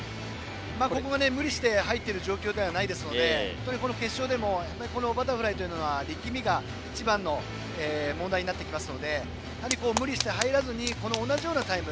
ここを無理して入っている状況ではないですのでこの決勝でもバタフライというのは力みが一番の問題になってきますので無理して入らずに同じようなタイム。